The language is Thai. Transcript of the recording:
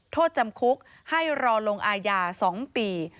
โทษจำคุกให้รอลงอาญา๒ปี